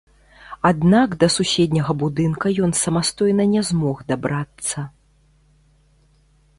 Аднак да суседняга будынка ён самастойна не змог дабрацца.